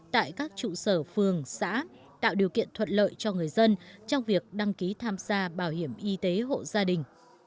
tại các trụ sở phường xã tạo điều kiện thuận lợi cho người dân trong việc đăng ký tham gia bảo hiểm y tế hộ gia đình